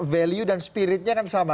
value dan spiritnya kan sama